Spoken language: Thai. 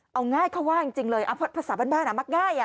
เอาง่ายเข้าว่าจริงจริงเลยอ้าวภาษาบ้านบ้านอ่ะมากง่ายอ่ะ